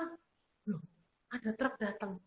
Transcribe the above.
loh ada truk datang